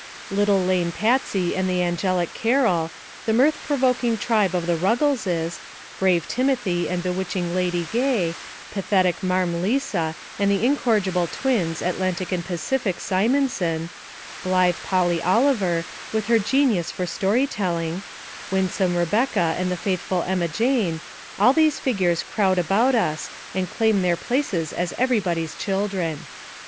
"Little, lame Patsy and the angelic Carol; the mirth provoking tribe of the Ruggleses; brave Timothy and bewitching Lady Gay; pathetic Marm Lisa and the incorrigible twins, Atlantic and Pacific Simonson; blithe Polly Oliver, with her genius for story telling ; winsome Rebecca and the faithful Emma Jane, all these figures crowd about us, and claim their places as everybody's children."